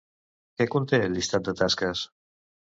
Què conté el llistat de tasques?